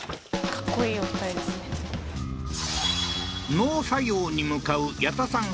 農作業に向かう矢田さん